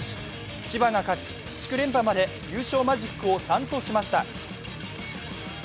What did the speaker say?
千葉が勝ち、地区連覇まで優勝マジックを３としました。